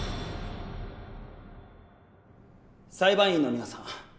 裁判員の皆さん。